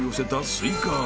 スイカ頭。